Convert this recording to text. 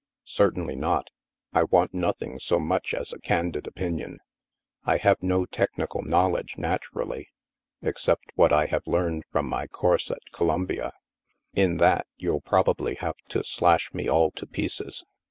"Certainly not. I want nothing so much as a candid opinion. I have no technical knowledge, naturally, except what I have learned from my course at Columbia. In that, you'll probably have to slash me all to pieces.